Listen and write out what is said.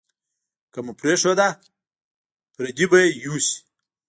که مو پرېښوده، پردي به یې یوسي.